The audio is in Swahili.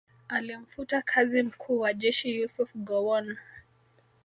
Alimfuta kazi mkuu wa jeshi Yusuf Gowon